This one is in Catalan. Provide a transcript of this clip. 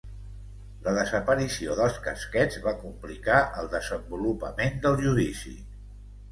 La desaparició dels casquets va complicar el desenvolupament del judici.